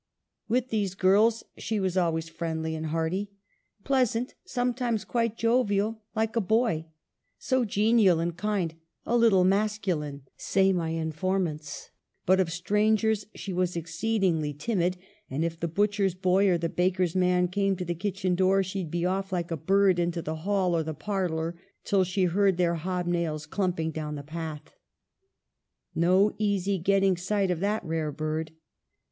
With these girls she was always friendly and hearty —" pleasant, sometimes quite jovial like a boy," " so genial and kind, a little masculine," say my informants ; but of strangers she was exceedingly timid, and if the butcher's boy or the baker's man came to the kitchen door she would be off like a bird into the hall or the parlor till she heard their hob nails clumping down the path. No easy getting sight of that rare bird.